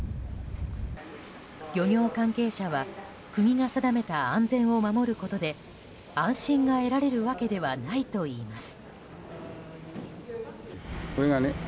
漁業関係者は国が定めた安全を守ることで安心が得られるわけではないといいます。